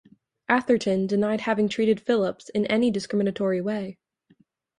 Atherton denied having treated Phillips in any discriminatory way.